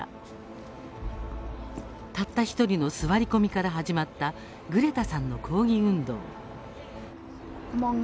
たった１人の座り込みから始まったグレタさんの抗議運動。